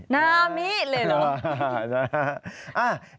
นามิเลยเหรอ